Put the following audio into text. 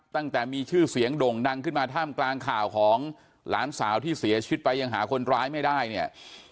ตั้งแต่มีชื่อเสียงด่งดังขึ้นมาท่ามกลางข่าวของหลานสาวที่เสียชีวิตไปยังหาคนร้ายไม่ได้เนี่ย